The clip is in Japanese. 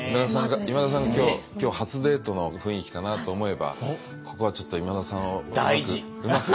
今田さんが今日初デートの雰囲気かなと思えばここはちょっと今田さんをうまく。